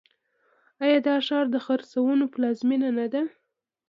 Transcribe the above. آیا دا ښار د خرسونو پلازمینه نه ده؟